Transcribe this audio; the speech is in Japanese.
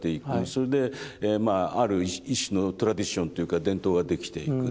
それでまあある一種のトラディションというか伝統が出来ていく。